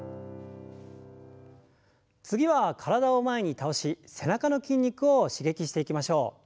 次は体を前に倒し背中の筋肉を刺激していきましょう。